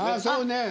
そうね。